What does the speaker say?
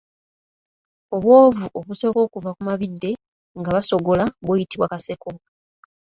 Obwovu obusooka okuva ku mabidde nga basogola buyitibwa kaseko.